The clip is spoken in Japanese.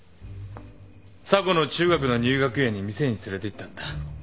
査子の中学の入学祝いに店に連れていったんだ。